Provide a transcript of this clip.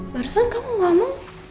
barusan kamu enggak mau